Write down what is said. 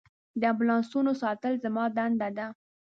د امبولانسونو ساتل زما دنده ده.